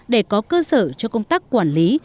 để có cơ sở cho công tác quản lý